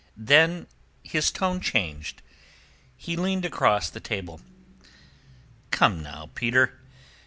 Then his tone changed. He leaned across the table. "Come, now, Peter.